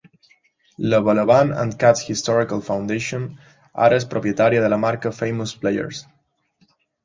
La Balaban and Katz Historical Foundation ara és propietària de la marca Famous Players.